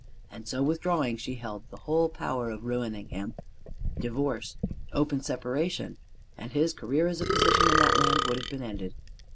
And so withdrawing, she held the whole power of ruining him. Divorce open separation and his career as a physician in that land would have been ended.